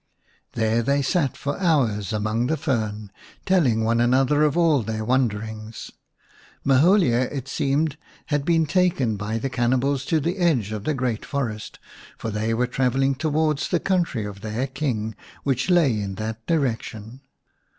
There they sat for hours among the fern, telling one another of all their wanderings. Maholia, it seemed, had been taken by the j&atfmbals to the edge of the great forest, for they were travelling towards the country of their King, which lay in that direction.